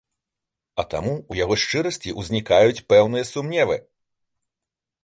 А таму ў яго шчырасці ўзнікаюць пэўныя сумневы.